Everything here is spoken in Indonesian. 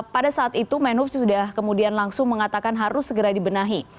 pada saat itu menhub sudah kemudian langsung mengatakan harus segera dibenahi